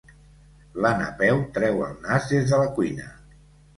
La Napeu treu el nas des de la cuina.